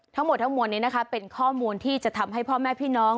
ทั้งหมดทั้งมวลนี้นะคะเป็นข้อมูลที่จะทำให้พ่อแม่พี่น้อง